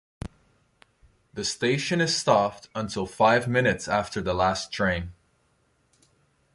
The station is staffed until five minutes after the last train.